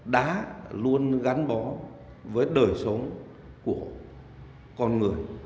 đã luôn gắn bó với đời sống của con người